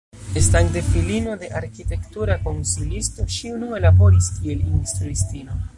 Estante filino de arkitektura konsilisto ŝi unue laboris kiel instruistino.